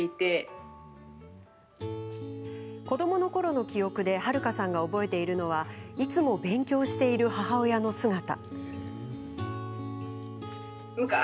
子どものころの記憶ではるかさんが覚えているのはいつも勉強している母親の姿。